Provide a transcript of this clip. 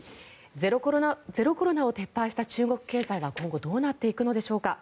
ゼロコロナを撤廃した中国経済は今後どうなっていくのでしょうか。